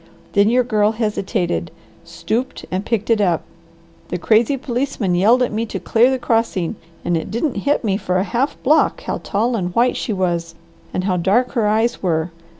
Then your girl hesitated stooped and picked it up. The crazy policeman yelled at me to clear the crossing and it didn't hit me for a half block how tall and white she was and how dark her eyes were.